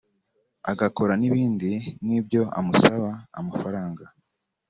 agakora n’ibindi nk’ibyo amusaba amafaranga